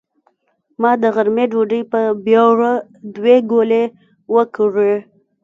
ما د غرمۍ ډوډۍ په بېړه دوې ګولې وکړې.